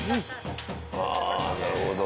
ああなるほど。